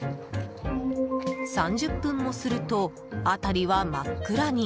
３０分もすると辺りは真っ暗に。